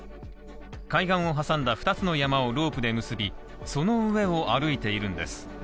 海岸を挟んだ二つの山をロープで結び、その上を歩いているんです。